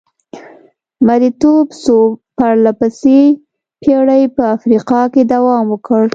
مریتوب څو پرله پسې پېړۍ په افریقا کې دوام وکړ.